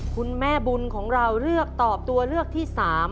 คุณแม่บุญเราเริ่มตอบที่๓